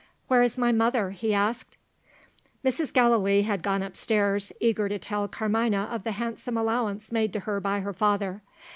"Where is my mother?" he asked. Mrs. Gallilee had gone upstairs, eager to tell Carmina of the handsome allowance made to her by her father.